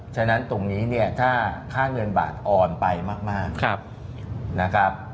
ฉะนั้นตรงนี้ถ้าค่าเงินบาทอ่อนไปมาก